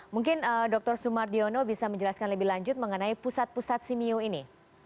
mungkin dr sumardiono bisa menjelaskan lebih lanjut mengenai pusat pusat simeo ini